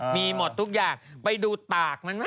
มีหมดทุกอย่างไปดูตากนั้นไหม